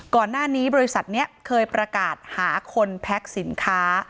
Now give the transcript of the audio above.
ก่อนหน้านี้บริษัทเนี่ยเคยประกาศหาคนแพ็กสินค้า